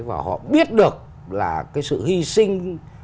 và họ biết được là cái sự hy sinh